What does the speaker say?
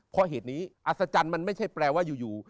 เพราะเหตุนี้อัศจรรย์มันไม่ใช่แปลว่าอยู่